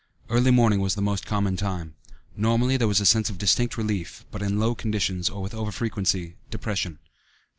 Early morning was the most common time. Normally there was a sense of distinct relief, but in low conditions, or with over frequency, depression.